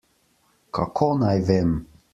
Kako naj vem?